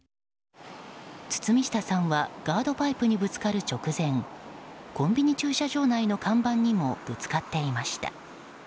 堤下さんはガードパイプにぶつかる直前コンビニ駐車場内の看板にもぶつかっていました。